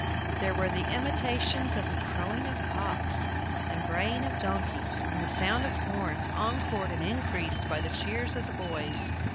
There were the imitations of the crowing of cocks, and braying of donkeys, and the sound of horns, encored and increased by the cheers of the boys.